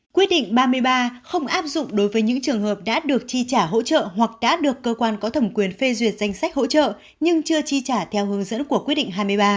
quyết định ba mươi ba không áp dụng đối với những trường hợp đã được chi trả hỗ trợ hoặc đã được cơ quan có thẩm quyền phê duyệt danh sách hỗ trợ nhưng chưa chi trả theo hướng dẫn của quyết định hai mươi ba